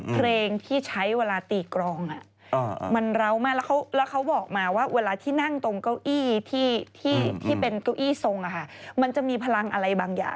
เพลงที่ใช้เวลาตีกรอง